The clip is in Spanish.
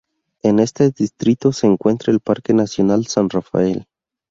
En este distrito se encuentra el Parque nacional San Rafael.